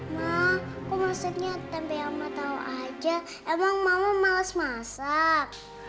ma kok maksudnya sampai mama tau aja emang mama males masak